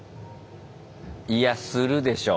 いやするでしょ。